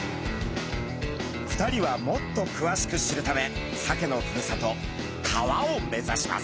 ２人はもっとくわしく知るためサケのふるさと川を目指します。